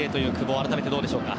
改めて、どうでしょうか。